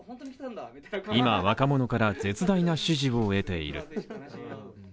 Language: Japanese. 今、若者から絶大な支持を得ている。